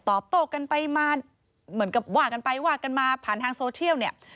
โต้กันไปมาเหมือนกับว่ากันไปว่ากันมาผ่านทางโซเชียลเนี่ย